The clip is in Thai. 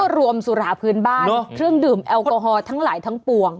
รวมสุราพื้นบ้านเครื่องดื่มแอลกอฮอล์ทั้งหลายทั้งปวง